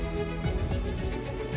saya merasa terlalu baik